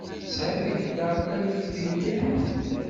Sεiɣ agiṭar alktrikan.